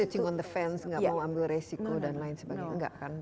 cthing on the fans nggak mau ambil resiko dan lain sebagainya enggak kan